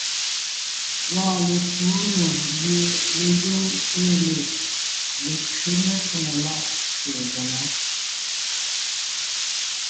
Wɔɔn letuu nò gẅie lezíŋ ée lê Letẅě meshwóŋè láʼ tsɛ̀ɛ gaŋá.